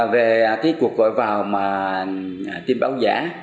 về cái cuộc gọi vào mà tin báo giả